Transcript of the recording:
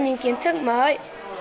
những kiến thức mới